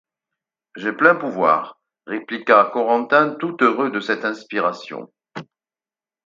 J’ai plein pouvoir... répliqua Corentin, tout heureux de cette inspiration.